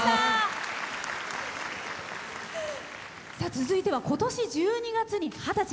続いては今年１２月に二十歳。